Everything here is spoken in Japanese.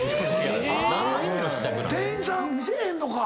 店員さん見せへんのか？